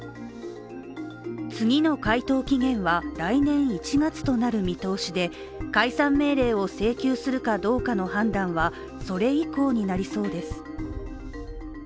次の回答期限は来年１月となる見通しで、解散命令を請求するかどうかの判断はそれ以降になりそうです。